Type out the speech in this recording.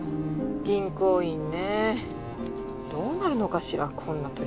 銀行員ねどうなるのかしらこんな撮り方。